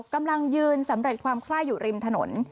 กำลังยืนสำเร็จความคล่าอยู่ริมถนน